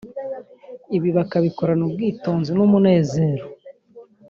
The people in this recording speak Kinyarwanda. ibi bakabikorana ubwitonzi n’umunezero